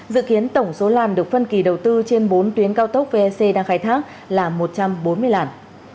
dự kiến tổng số làn được phân kỳ đầu tư trên bốn tuyến cao tốc vec đang khai thác là một trăm bốn mươi làn